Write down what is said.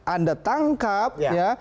anda tangkap ya